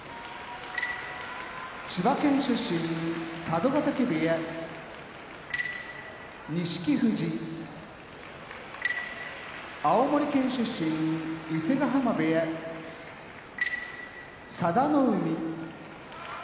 千葉県出身佐渡ヶ嶽部屋錦富士青森県出身伊勢ヶ濱部屋佐田の海